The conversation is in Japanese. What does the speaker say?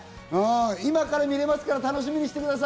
今から見れますから楽しみにしてください。